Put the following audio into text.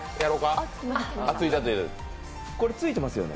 これ、ついてますよね？